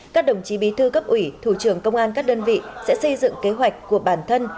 các đồng chí bí thư cấp ủy thủ trưởng công an các đơn vị sẽ xây dựng kế hoạch của bản thân